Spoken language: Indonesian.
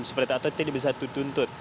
seperti atau tidak bisa dituntut